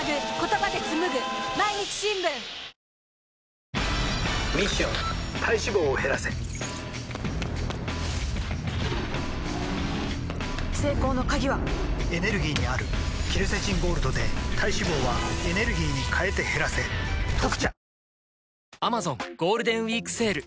ミッション体脂肪を減らせ成功の鍵はエネルギーにあるケルセチンゴールドで体脂肪はエネルギーに変えて減らせ「特茶」